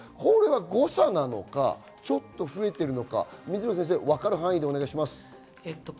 誤差なのか、ちょっと増えているのか、わかる範囲でお願いします。